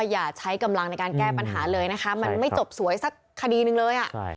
อย่าใช้กำลังในการแก้ปัญหาเลยนะคะมันไม่จบสวยสักคดีหนึ่งเลย